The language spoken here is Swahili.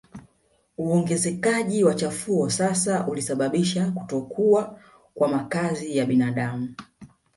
Uongezekaji wa chafuo sasa ulisababisha kutokuwa kwa makazi ya binadamu